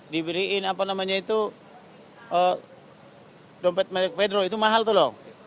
diberi dompet medok pedro itu mahal tuh loh